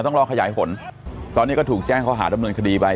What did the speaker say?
เราต้องลองขยายผลตอนนี้ก็ถูกแจ้งเขาหาตำรวจคดีไป